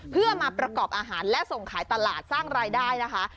เพื่อมาประกอบอาหารและส่งขายตลาดสร้างรายได้นะคะ